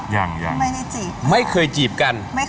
ไม่ได้จีบกันไม่เคยจีบกัน